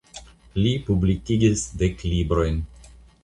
Li publikigis dek librojn.